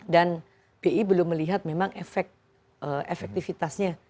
dan bi belum melihat efektivitasnya